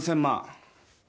５，０００万？